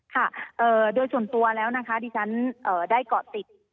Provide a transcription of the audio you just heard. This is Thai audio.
ค่ะโดยส่วนตัวแล้วนะคะดิฉันได้เกาะติด